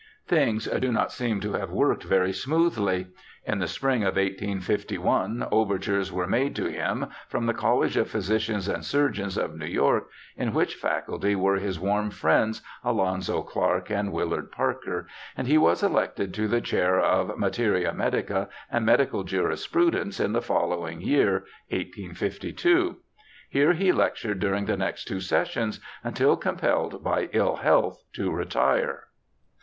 Things do not seem to have worked very smoothly. In the spring of 1851 overtures were made to him from the College of Physicians and Surgeons of New York, in which Faculty were his warm friends, Alonzo Clark and Willard Parker, and he was elected to the chair of materia medica and medical jurisprudence in the follow ing year, 1852. Here he lectured during the next two sessions until compelled by ill health to retire.